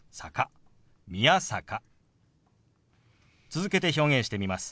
続けて表現してみます。